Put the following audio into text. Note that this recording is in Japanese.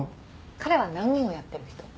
彼は何をやってる人？